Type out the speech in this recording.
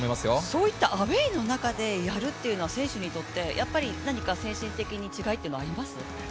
そういったアウェーの中でやるというのは選手にとってやっぱり何か精神的に違いっていうのはあります？